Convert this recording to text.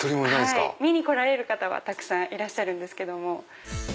見に来られる方はたくさんいらっしゃるけど。